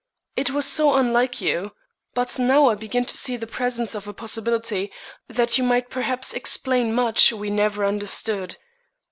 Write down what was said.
"It was so unlike you. But now I begin to see the presence of a possibility that might perhaps explain much we never understood.